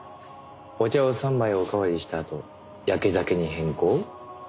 お茶を３杯おかわりしたあとヤケ酒に変更？